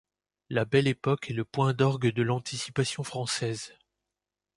La Belle Époque est le point d'orgue de l'anticipation française.